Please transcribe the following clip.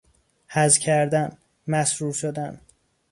حظ کردن، مسرور شدن